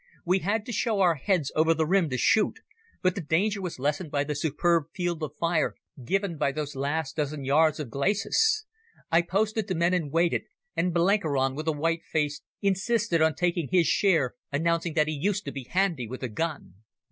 We had to show our heads over the rim to shoot, but the danger was lessened by the superb field of fire given by those last dozen yards of glacis. I posted the men and waited, and Blenkiron, with a white face, insisted on taking his share, announcing that he used to be handy with a gun.